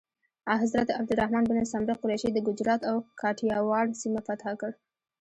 حضرت عبدالرحمن بن سمره قریشي د ګجرات او کاټیاواړ سیمه فتح کړه.